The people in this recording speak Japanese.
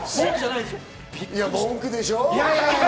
いや、文句でしょ。